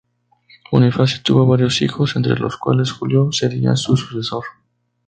Bonifacio tuvo varios hijos entre los cuales Julio sería su sucesor.